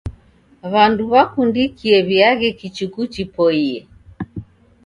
W'andu w'akundikie w'iaghe kichuku chipoiye.